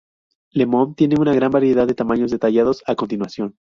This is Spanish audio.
Lemon tiene una gran variedad de tamaños detallados a continuación.